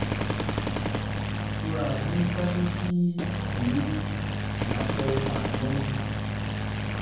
Kura hin tazi ki vinina ɗow ɦak ni.